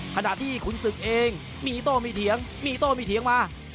ขณะที่ขุนศึกเองมีโต้มีเถียงมีโต้มีเถียงมา